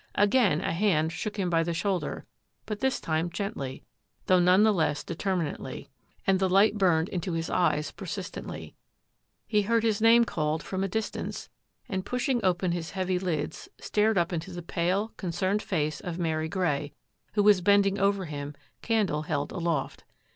Again a hand shook him by the shoulder, but this time gently, though none the less determinately, and the light burned into his eyes persistently. He heard his name called from a distance, and pushing open his heavy lids, stared up into the pale, concerned face of Mary Grey, who was bending over him, candle held aloft.